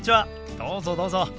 どうぞどうぞ。